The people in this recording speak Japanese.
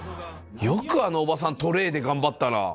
よくあのおばさん、トレーで頑張ったな。